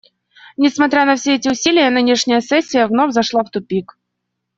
Несмотря на все эти усилия, нынешняя сессия вновь зашла в тупик.